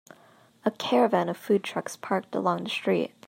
A caravan of food trucks parked along the street.